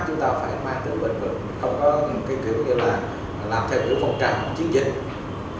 chúng ta phải mang tự bình vực không có kiểu như là làm theo kiểu phòng trạng chiến dịch